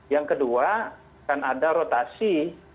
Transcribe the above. yang kedua akan ada rotasi